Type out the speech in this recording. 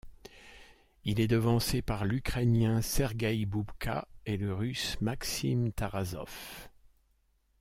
Il est devancé par l'Ukrainien Sergueï Bubka et le Russe Maksim Tarasov.